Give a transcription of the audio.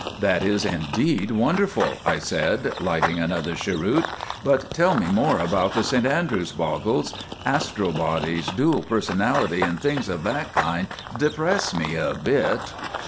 "That is indeed wonderful," I said, lighting another cheroot, "but tell me more about the St Andrews bogles. Astral bodies, dual personality, and things of that kind depress me a bit."